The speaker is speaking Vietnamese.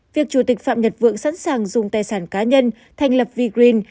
việc chủ tịch phạm nhật vượng sẵn sàng dùng tài sản cá nhân thành lập vgreen